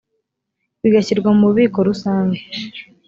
bigashyirwa mu bubiko rusange